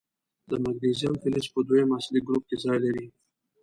د مګنیزیم فلز په دویم اصلي ګروپ کې ځای لري.